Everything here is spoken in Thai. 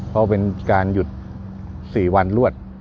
เพราะเป็นการหยุด๔วันรวด